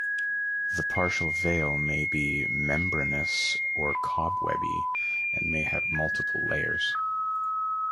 The partial veil may be membranous or cobwebby, and may have multiple layers.